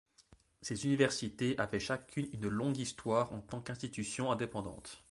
Ces universités avaient chacune une longue histoire en tant qu’institutions indépendantes.